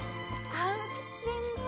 安心だ！